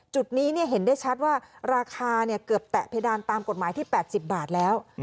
จุดนี้เห็นได้ชัดว่าราคาเกือบแตะเพดานตามกฎหมายที่๘๐บาทแล้ว